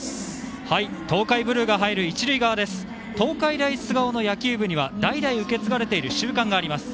東海ブルーが映える一塁側東海大菅生の野球部には代々受け継がれている習慣があります。